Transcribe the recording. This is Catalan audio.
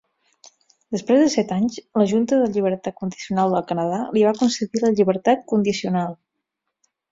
Després de set anys, la Junta de Llibertat Condicional del Canadà li va concedir la llibertat condicional.